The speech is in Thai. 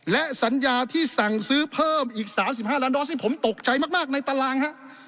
และสัญญาที่สั่งซื้อเพิ่มอีก๓๕ล้านโดสที่ผมตกใจมากในตารางฮะ